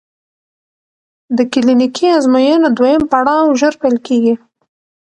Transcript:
د کلینیکي ازموینو دویم پړاو ژر پیل کېږي.